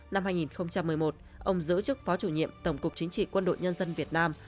năm hai nghìn một mươi một ông giữ chức phó chủ nhiệm tổng cục chính trị quân đội nhân dân việt nam